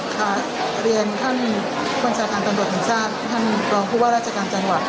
ค่ะเรียนท่านบัญชาการกำลักษณ์ศาสตร์ท่านรองคุกว่าราชการจังหวัด